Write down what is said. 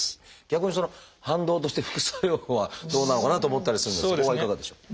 逆にその反動として副作用はどうなのかなと思ったりするんですがそこはいかがでしょう？